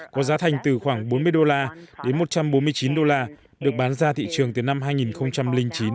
có giá thành từ khoảng bốn mươi đô la đến một trăm bốn mươi chín đô la được bán ra thị trường từ năm hai nghìn chín